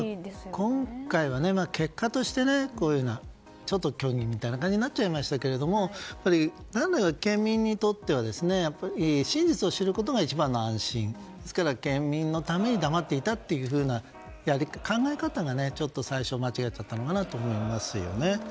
今回は結果としてちょっと虚偽みたいな形になりましたが県民にとっては真実を知ることが一番の安心で県民のために黙っていたという考え方が最初間違っちゃったのかなと思いますね。